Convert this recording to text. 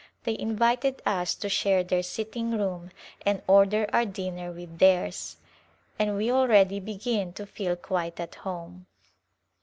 They invited us to share their sitting room and order our dinner with theirs, and we already begin to feel quite at home.